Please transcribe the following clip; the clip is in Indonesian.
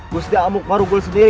gusti amuk marugul sendiri